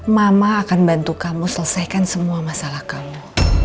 mama akan bantu kamu selesaikan semua masalah kamu